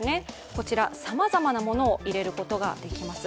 こちら、さまざまなものを入れることができます。